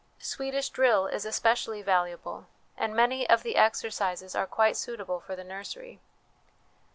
Swedish drill is especially valuable, and many of the exercises are quite suit able for the nursery.